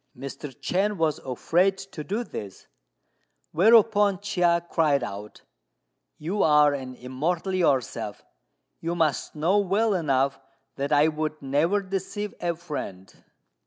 Mr. Chên was afraid to do this; whereupon Chia cried out, "You are an Immortal yourself; you must know well enough that I would never deceive a friend."